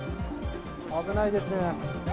危ないですね。